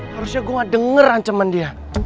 harusnya gue gak denger ancaman dia